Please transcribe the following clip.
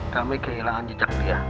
kami kehilangan jejak dia